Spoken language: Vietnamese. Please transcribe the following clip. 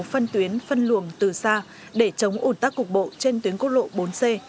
phân tuyến phân luồng từ xa để chống ổn tắc cục bộ trên tuyến cốt lộ bốn c